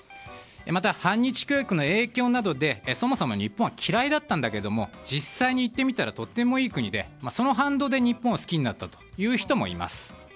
また反日教育の影響などでそもそも日本は嫌いだったんだけれど実際に行ってみたらとってもいい国で、その反動で日本を好きになったという人もいます。